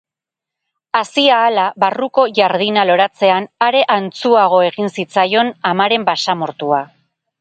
Hazi ahala barruko jardina loratzean, are antzuago egin zitzaion amaren basamortua.